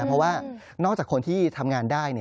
เพราะว่านอกจากคนที่ทำงานได้